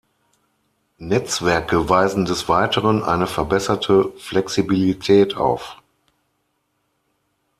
Netzwerke weisen des Weiteren eine verbesserte Flexibilität auf.